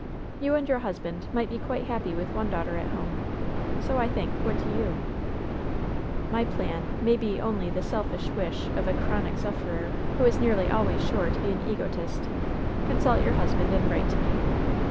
You and your husband might be quite happy with one daughter at home. "So I think. What do you? LOVE'S BITTEREST CUP 4^ ''My plan may be only the selfish wish of a chronic sufferer, who is nearly always sure to be an egotist. Con ^ suit your husband, and write to me.